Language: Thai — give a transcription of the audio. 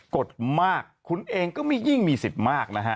กดมากคุณเองก็ยิ่งมี๑๐มากนะครับ